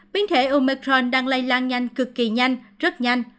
biến thể omecron đang lây lan nhanh cực kỳ nhanh rất nhanh